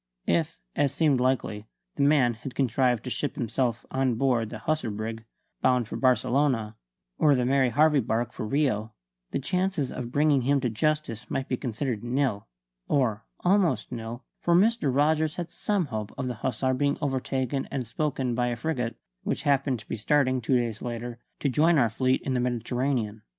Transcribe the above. If, as seemed likely, the man had contrived to ship himself on board the Hussar brig, bound for Barcelona, or the Mary Harvey barque, for Rio, the chances of bringing him to justice might be considered nil, or almost nil; for Mr. Rogers had some hope of the Hussar being overtaken and spoken by a frigate which happened to be starting, two days later, to join our fleet in the Mediterranean.